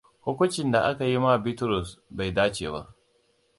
Hukuncin da akayi ma Bitrus bai dace ba.